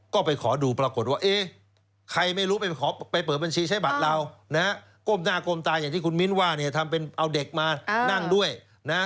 ก็ไปขอดูปรากฏว่าเอ๊ะใครไม่รู้ไปขอไปเปิดบัญชีใช้บัตรเรานะฮะก้มหน้าก้มตาอย่างที่คุณมิ้นว่าเนี่ยทำเป็นเอาเด็กมานั่งด้วยนะ